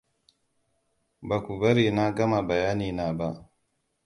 Baku bari na gama bayani na ba.